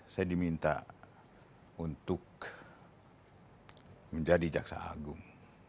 saya diminta untuk menjadi jaksa agung